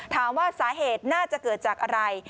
ถามว่าสาเหตุน่าจะเกิดจากอะไร